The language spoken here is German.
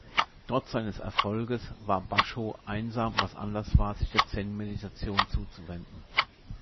Trotz seines Erfolges war Bashō einsam, was Anlass war, sich der Zen-Meditation zuzuwenden.